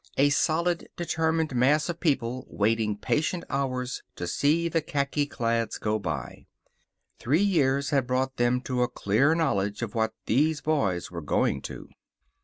A solid, determined mass of people waiting patient hours to see the khaki clads go by. Three years had brought them to a clear knowledge of what these boys were going to.